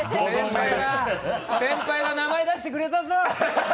先輩が名前出してくれたぞ！